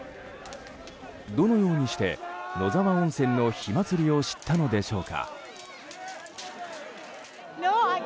どのようにして野沢温泉の火祭りを知ったのでしょうか。